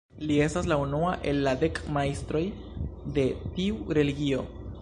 Li estas la unua el la dek majstroj de tiu religio.